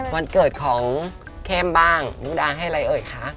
วันเกิดของเข้มบ้างมุดาให้อะไรเอ่ยคะ